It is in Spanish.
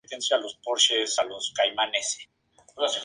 Es un síntoma de varias enfermedades oculares.